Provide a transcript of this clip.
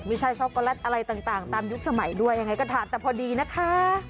ช่าโกแลตอะไรต่างตามยุคสมัยด้วยยังไงก็ถามแต่พอดีนะคะ